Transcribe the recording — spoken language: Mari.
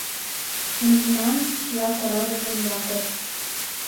«Лийман чыла корабльын якорь...»